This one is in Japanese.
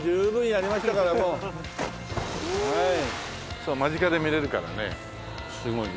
そう間近で見れるからねすごいね。